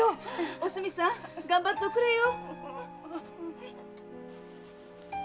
おすみさんがんばっておくれよ！